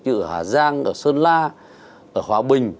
như ở hà giang ở sơn la ở hòa bình